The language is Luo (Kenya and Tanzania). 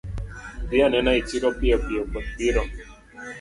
Dhi anena e chiro piyo piyo koth biro